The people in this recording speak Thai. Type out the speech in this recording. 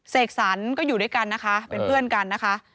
เสกสรรก็อยู่ด้วยกันนะคะเป็นเพื่อนกันนะคะ